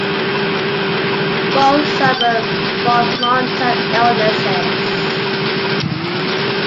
Both suffered from long-term illnesses.